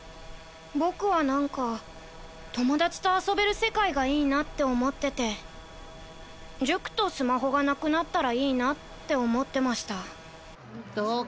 僕は何か友達と遊べる世界がいいなって思ってて塾とスマホがなくなったらいいなって思ってました